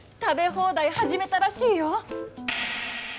放題始めたらしいよ。